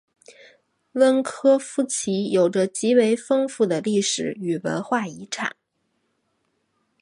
温科夫齐有着极为丰富的历史与文化遗产。